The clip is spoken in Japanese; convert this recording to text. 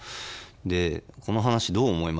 「この話どう思いますか？